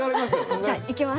じゃあいきます。